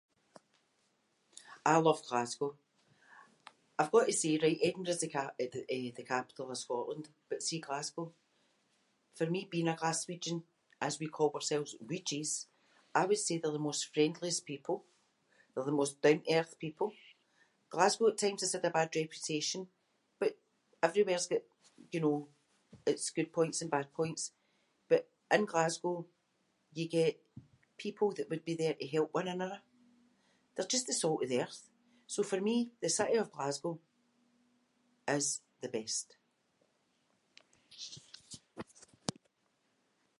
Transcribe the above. I love Glasgow. I’ve got to say, right, Edinburgh’s the ca- eh, the, eh, the capital of Scotland, but see Glasgow, for me being a Glaswegian, as we call ourselves weegies, I would say they’re the most friendliest people, they’re the most down to earth people. Glasgow at times has had a bad reputation, but everywhere’s got, you know, its good points and bad points. But, in Glasgow you get people that would be there to help one another. They’re just the salt of the earth. So for me the city of Glasgow is the best.